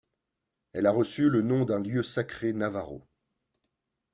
Elle a reçu le nom d'un lieu sacré navajo.